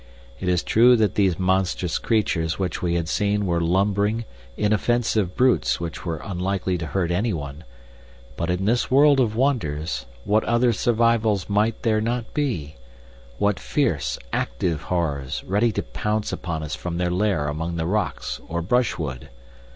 It is true that these monstrous creatures which we had seen were lumbering, inoffensive brutes which were unlikely to hurt anyone, but in this world of wonders what other survivals might there not be what fierce, active horrors ready to pounce upon us from their lair among the rocks or brushwood?